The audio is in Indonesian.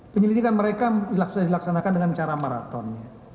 penyelidikan mereka sudah dilaksanakan dengan cara maraton